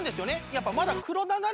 やっぱまだ。